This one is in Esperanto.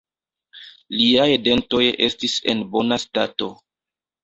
Liaj dentoj estis en bona stato.